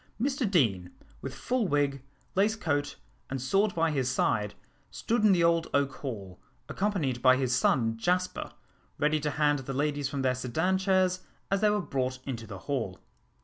Mr Deane, with full wig, lace coat, and sword by his side, stood in the old oak hall, accompanied by his son Jasper, ready to hand the ladies from their sedan chairs as they were brought into the hall.